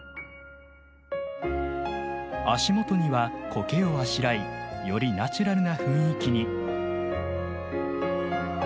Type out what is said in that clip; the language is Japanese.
足元にはコケをあしらいよりナチュラルな雰囲気に。